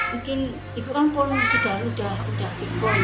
mungkin itu kan pulang juga udah udah pikun